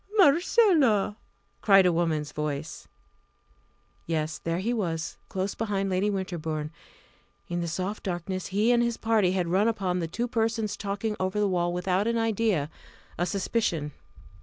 "Marcella!" cried a woman's voice. Yes there he was! close behind Lady Winterbourne. In the soft darkness he and his party had run upon the two persons talking over the wall without an idea a suspicion.